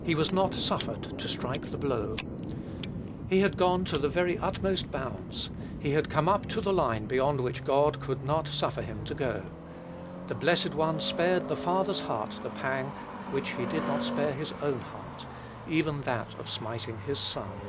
He was not suffered to strike the blow. He had gone to the very utmost bounds; he had come up to the line beyond which God could not suffer him to go. The Blessed One spared the father's heart the pang which he did not spare his own heart, even that of smiting his Son.